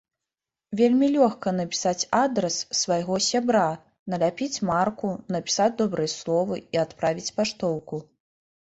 Вельмі лёгка напісаць адрас свайго сябра, наляпіць марку, напісаць добрыя словы і адправіць паштоўку.